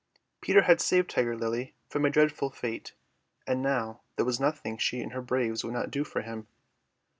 Peter had saved Tiger Lily from a dreadful fate, and now there was nothing she and her braves would not do for him.